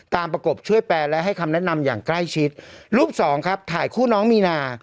ประกบช่วยแปลและให้คำแนะนำอย่างใกล้ชิดรูปสองครับถ่ายคู่น้องมีนา